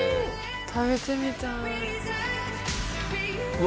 食べてみたいうわ